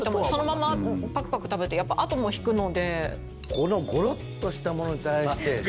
この、ごろっとしたものに対してあ！